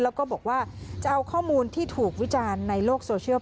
แล้วก็บอกว่าจะเอาข้อมูลที่ถูกวิจารณ์ในโลกโซเชียล